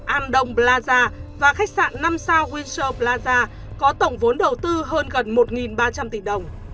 andong plaza và khách sạn năm sao windsor plaza có tổng vốn đầu tư hơn gần một ba trăm linh tỷ đồng